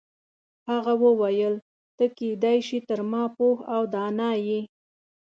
هغه وویل ته کیدای شي تر ما پوه او دانا یې.